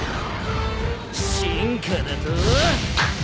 進化だと！？